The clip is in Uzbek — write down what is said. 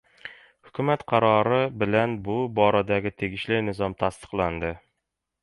Hukumat qarori bilan bu boradagi tegishli nizom tasdiqlandi